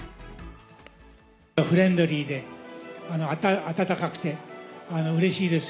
フレンドリーで温かくて、うれしいです。